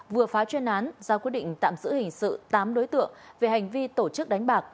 vừa phá chuyên án ra quyết định tạm giữ hình sự tám đối tượng về hành vi tổ chức đánh bạc